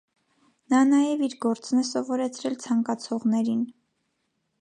Նա նաև իր գործն է սովորեցրել ցանկացողներին։